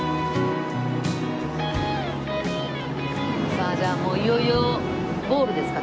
さあじゃあもういよいよゴールですか？